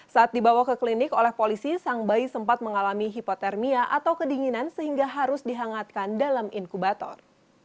saat dibawa ke klinik oleh polisi sang bayi sempat mengalami hipotermia atau kedinginan sehingga harus dihangatkan dalam inkubator